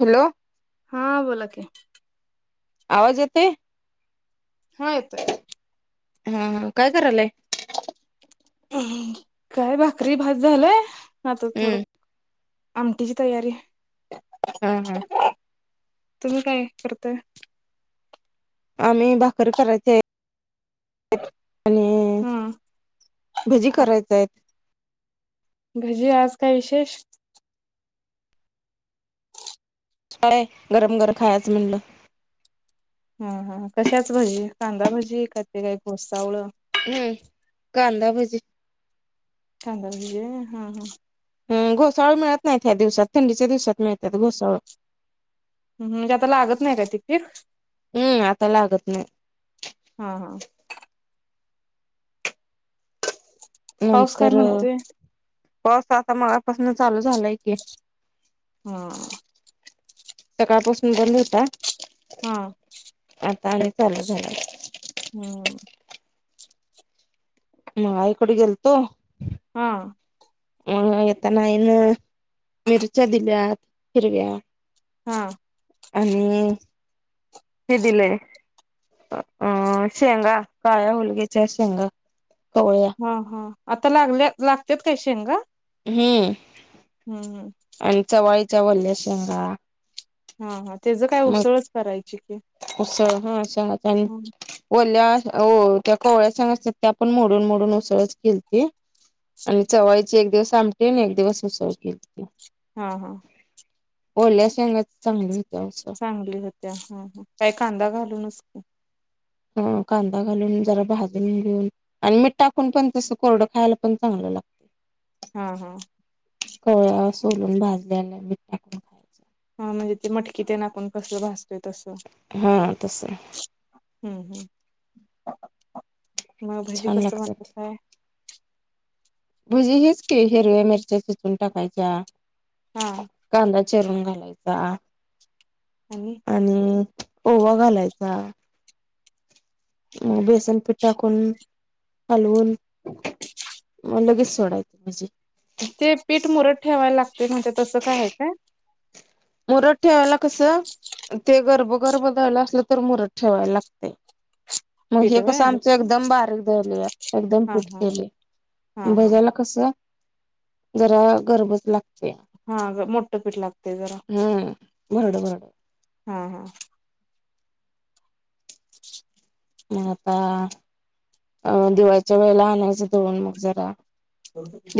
Hello. हा बोला की आवाज येते. हा येतोय. हा काय करायलय. काय भाकरी भात झालाय आता थोडं. हम्म. आमटीची तयारी हा हा. तुम्ही काय करताय. आम्ही भाकररकराचे आणि हा भजी करायचा आहेत. भजी आज काय विशेष. गरम गरम खायचं म्हटलं हा हा कशाच भजी कांदा भजी का ते काय घोससावळ हुम्म कांदा भजी कांदा होय भजी हा हा. ह घोसाळ मिळत नाहीत ह्या दिवसात थंडीच्या दिवसात मिळतात घोसाळ. हम् म्हणजे ते आता लागत नाही का पीक हम्म आता लागत नाही हा हा. पाऊस काय नंतर म्हणतोय पाऊस आता मगपासन चालू झालाय की. हा़. सकाळ पासून बंद होता. हा. आता आणि चालू झालं. हम्म. म आईकड गेलतो. हा. अ येतानान मिरच्या दिल्या हिरव्या हा आणि हे दिलंय. अ शेंगा काळ्या हुलग्याच्या शेंगा कोवळ्या ह हा आता लागल्या लागत्यात काय शेंगा हम्म. हु हु आणि चवळीच्या वल्या शेंगा हा हा त्याच काय मग उसळच करायची की. उसळ हं वल्या त्या कवळ्या शेगां असतात त्या पण मोडून मोडून उसळच केलते आणि चवळीची एक दिवस आमटी आणि एक दिवस उसळ केलती हा हा ओल्या शेंगा च चांगली हुत्या उसळ चांगली होत्या ह ह काही कांदा घालूनच की. अ कांदा घालून जरा भाजून घेऊन आणि मीठ टाकून पण तसं कोरडं खायला पण चांगलं लागत. हा हा कवळ्या सोलून भाजलेल्या मीठ टाकून खायचं हा म्हणजे ते मटकी तेन आपन कस भाजतोय तस हम् हा तसं हम् मग भजी छान कस लागतात बनवताय. भजी हेच की हिरव्या मिरच्या चिचून टाकायच्या हा कांदा चिरून घालायचा आणि आणि प ओवा घालायचा बेसन पिठा टाकून हलवून मग लगेच सोडायच भजी ते पीठ मुरत ठेवायला लागते म्हणजे तसं काय हाय काय. मुरत ठेवायला कस ते गर्भ गर्भ दळ असल तर मुरत ठेवायला लागते. मग पीठ हे व्हय कसं आमचं एकदम बारीक एकदम बारीक दळ या एकदम हा पीठ हा केलय हा आणि हा भजाला कसं जरा गरबच लागत हा मोठ पीठ लागतेय जरा हम्म भरड भरड हा हा [unintelligible] मग आता अ दिवाळीच्या वेळेला आणायचं दळून मग जरा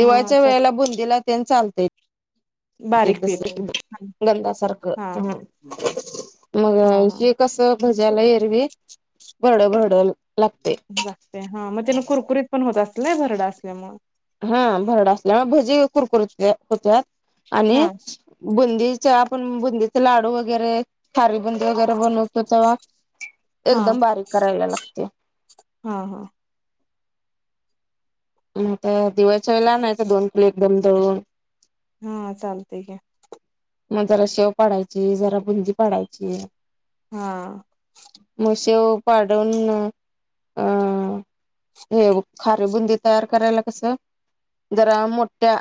हा च वेळेला बुंदीला. तेन चालतय ते बारीक तस पीठ गंधासारखं हा हम. मग हा हा हे कस भजाला एरवी. घड बरड लागतय. हा मग तेन कुरकुरीत पण होत असल नाय भरडं असल्या मुळ. हा भरडा असल्यामुळे भजी कुरकुरत होत्यात हा आणि. बुंदीच्या आपण बुंदीचे लाडू वगैरे खारी बुंदी वगैरे बनव. तो तवा हा एकदम बारीक करायला लागतय. हा हा. आता दिवाळीच्या नाही तर दोन किलो एक दम दळून. हा चालतय की. मग जरा शेव पाडायची, जरा बुंदी पाडायची. हा. म शेव पाडून अ. हे खारी बुंदी तयार करायला कस जरा मोठ्या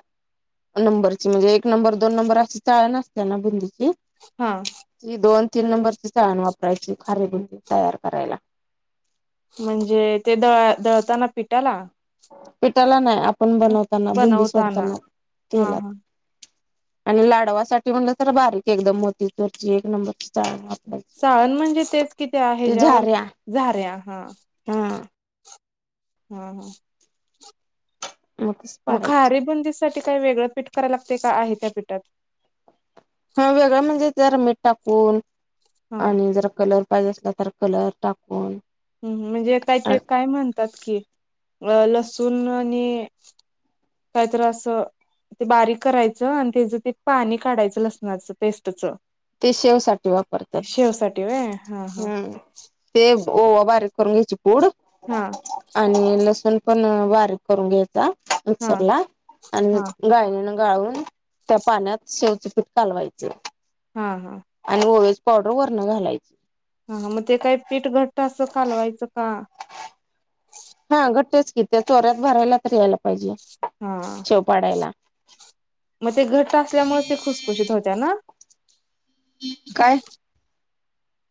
नंबरची म्हणजे एक नंबर दोन नंबर असं चाळ नसते ना बुंदीची. हा. ही दोन तीन नंबरची चाळण वापरायची खारीे बुदीं तयार करायला. म्हणजे ते द दळताना पिटाला? पिटाला नाय आपण बनवताना बुंदी बनवताना सोडताना हा तेलात. हा आणि लाडवासाठी म्हणलं तर बारीक एकदम मोती चुरची एक नंबरची चाळन वाप. साळण म्हणजे तेच कि ते ह्याच्यावर झाऱ्या झाऱ्या हा. हा. हा हा. मगच मग पाडायची खारी बुंदीसाठी काही वेगळं पीठ करायला लागतय का आहे त्या पीठात? हा वेगळ म्हणजे जरा मीठ टाकून हा आणि जरा कलर. पाहिजे असल तर कलर टाकून. हम् म्हणजे काय ते काय म्हणतात कि अ लसूण आणि काय तर अस. ते बारीक करायचं आणि तेच ते पाणी काढायचं लसणाचं पेस्टच. ते शेवसाठी वापरतात व्हय हा हा हम्म. ते ओवा बारीक करून घ्यायची पूड आ. हा आणि लसूण पण बारीक करून घ्यायचा हा मिक्सर ला आणि हा हा गाळणीने गाळून त्या पाण्यात शेवच पीठ कालवायच. हा हा. आणि ओव्याची पावडर वरण घालायची. मग ते काय पीठ घट्ट असं कालवायचं का? हा घट्टच कि चोऱ्यात भरायला तर यायला पाहिजे हा शेव पाडायला. मग ते घट्ट असल्यामुळच ते खुसखुशीत होत्या ना? काय?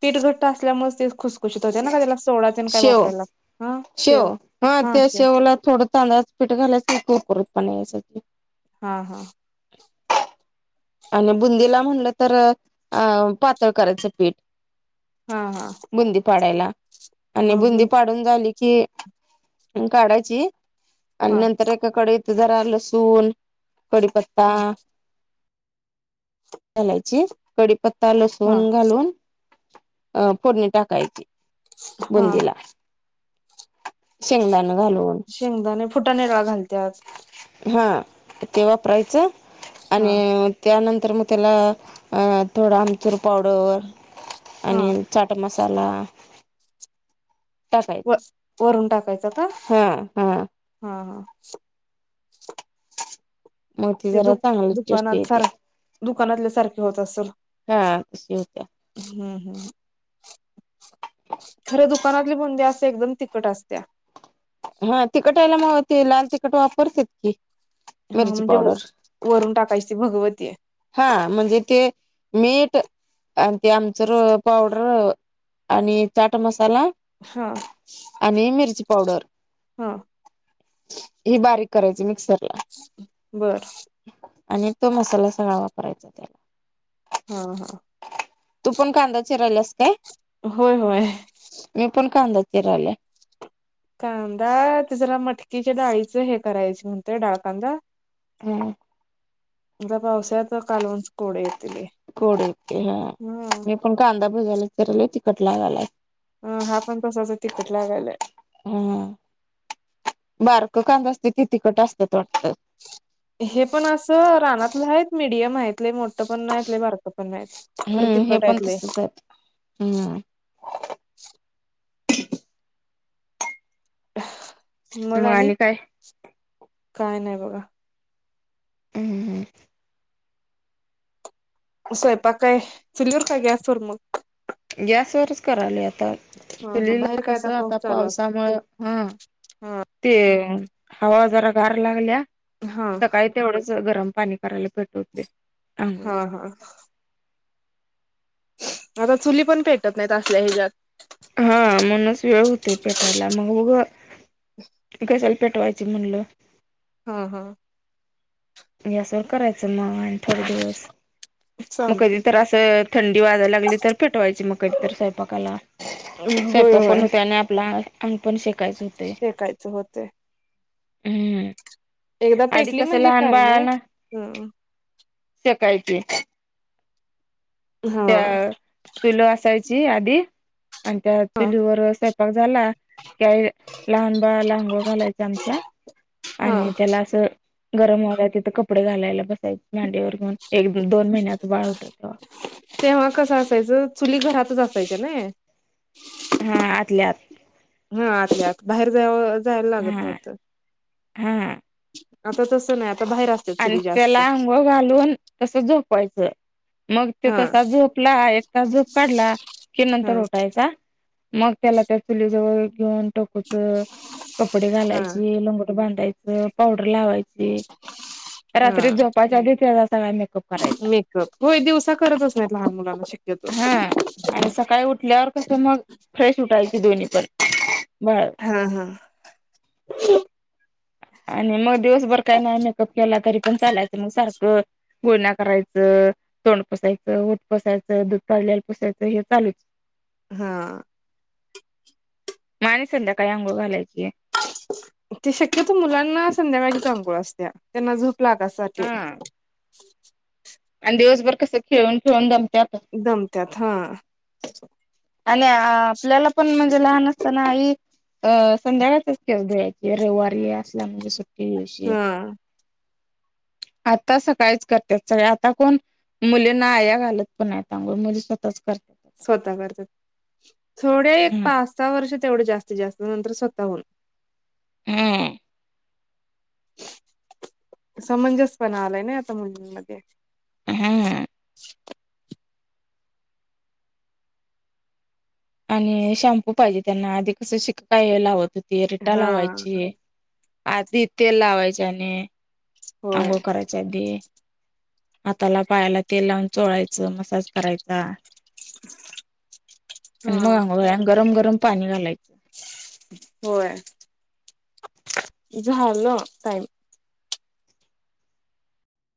पीठ घट्ट असल्यामुळच ते खुस. खुशीत होत्या ना का त्याला सोडा तेन काय शेव वापराय लागतो? हा शेव हा शेव. तुला थोडं. तांदळाच पीठ घालायच कुरकुरीत पना यासाठी. हा हा. आणि बुंदीला म्हणलं तर अ पातळ करायचं पीठ. हा हा. बुंदी पाडायला आणि मग बुंदी पाड. झाली की काढायची आणि हा नंतर एक. एकाकडे येत जरा लसूण कडिपत्ता. हा घालायची कडीपत्ता हा लसूण घालून अ फोडणी टाकायची. हा बुंदीला शेंगदाण घालून शेंगदाणे फुटानेळा घालतत. हा ते वापरायचं हा आणि त्यानंतर मग त्याला थोडा आमचूर पावडर हा आणि चट मसाला व टासायच वरून टाकायचा का हा हा. हा हा. मग ती ते दु जरा चांगली टेस्ट दुकानात येते सार दुकानातल्या सारखे होत असेल. हा होत. हम्म हम्. खरे दुकानातले बंदी असे एकदम तिखट असत्या हा तिकटायला मती लाल तिकट वापरते की हा मिरची म्हणजे पावडर वरून टाकायची भगवती हा म्हणजे ते मीठ आणि ते आमचर पावडर. आणि चाट मसाला. हा. आणि मिरची पावडर. हा. ही बारीक करायची मिक्सर ला बर. आणि तो मसाला सगळा वापरायचा त्याला हा हा. तू पण कांदा चि राहिलास काय? होय होय मी पण कांदा चिरालाय. कांदा ति जला मटकीच्या डाळीचं हे करायचे म्हणतय डाळ कांदा हम् त पावसा्यात कालवं कोडे येतील लय. कोडे ते हा मी पण कांदा भीजायला चराल तिकट लागालाय. अ हा पण कसाच तिकट लागायलाय. हा बारक कांदा असते त तिकट असतात वाटतं. हे पण अस रानातलं आहेत मीडियम आहेत. मोठ पण नाहीले बारकं पण नाही खर तिखट आहेत लय. हम मग आणि काय नाही बघा, हम ह स्वयपाकाय चुलीवर काय गॅसवर मग, गॅसवररच करायला आता, हा हा चुलीला बाहेर काय कसं पाऊस आता चालू असतो पावसामुळे हा हा ते हवा जरा गार लागल्या हा सकाळी तेवढंच गरम पाणी करायला भेटत. हो हा सांगयला [inaudible] हा आता चुली पण पेटत नाही त असल्या हिजत हा म्हणच वेळ होते पेटायला मग बघ पेटवायचं म्हणलं. हा हा यासवर करायचं म आणि थोडे दिवस मग कधी चालते तर की असं थंडी वाजाला लागली तर फेटवायची मग कधी तर स्वयंपाकाला होय स्वयंपाक पण होय होतोय आणि आपला अंग पण शेकायचं होतं. शेकायचं होते. हम्म एकदा आधी पेटली कसं म्हणजे लहान काय. नाही. बाळाला शेकायचे. हा त्या चुलं असायची आधी आणि त्या हा चुलीवर स्वयंपाक झाला. काही लहान बाळांला अंघोळ घालायच आमच्या हा आणि त्याला असं गरम व्हाल्या तिथं कपडे घालायला बसायचे मांडीवर घेऊन एक दोन महिन्याच बाळ होत तेव्हा, तेव्हा कस असायचं चुली घरातच असायचं ना, हा आतल्या आत हा आतल्यात बाहेर जाव जायला लागत हा नव्हतं. हा आता तसं नाही आता बाहेर असत. आणि त्याला अंघोळ घालून तसच झोपवायचं. मग ते हा तसा झोपला एक त झोप काढला की हा नंतर उठायचा मग त्याला त्या चुलीजवळ घेऊन टोकोच कपडे हा घालायचे, लंगोट बांधायचं. पावडर लावायचे. रात्री हा झोपाच्या आधी त्याला सगळा मेकअप करायचा. मेकअप होय दिवसा करतच नाहीत लहान मुलांना शक्यतो हा आणि सकाळी उठल्यावर कस मग फ्रेश उठायची दोन्ही पण बर. हा हा आणि मग दिवसभर काय नाही. प केला तरी पण चालायचं मग सारखं गुलण्या करायचं. तोंड पुसायचं, ओठ पुसायचं, दूध काढलेला पुसायचं हे चालूच हा मग आणी संध्याकाळी अंघोळ घालायची. ते शक्यतो मुलांना संध्याकाळी च अंघोळ असत्या त्यांना झोप लागायसाठी. आणि दिवसभर कसं खेळून खेळून दमत्यात. दमत्यात हा. आणि आपल्याला पण म्हणजे लहान असताना आई अ संध्याकाळच केस धुळ्याची रविवारी असल्या म्हणजे सु दल्यादिवशी हा आता सकाळीच करते सगळ्या आता कोण मुलींना आया घालत पण नाहीत अंघोळ मुली स्वतःच कर स्वतः करतात थोडे एक हम्म पाच सहा वर्ष तेवढे जास्तीत जास्त नंतर स्वतः होऊन. हम्म. समंजसपण आलाय नाही आता मुलींमध्ये. हम्म. आणि शॅम्पू पाहिजे त्यांना आधी कसं शिकेकाय लावत होती रिटा हा लावायची. आधी तेल लावायच्या आणि होय अंंगोळ करायच्या आधी हाताला पायाला तेल लावून चोळायचं मसाज करायचा. आणि हा मग अंघोळ गरम गरम पाणी घालायचं. होय झालं टाईम.